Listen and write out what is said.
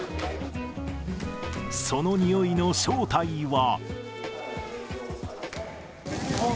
その匂いの正体は。